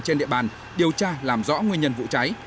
trên địa bàn điều tra làm rõ nguyên nhân vụ cháy